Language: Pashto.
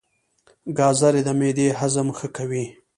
ګازرې د معدې هضم ښه کوي.